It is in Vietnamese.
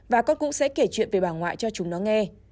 và con cũng sẽ kể chuyện về bà ngoại cho chúng nó nghe